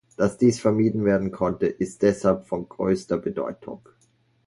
Dass dies vermieden werden konnte, ist deshalb von größter Bedeutung.